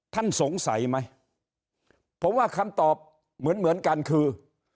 ท่านสงสัยไหมผมว่าคำตอบเหมือนเหมือนกันคือ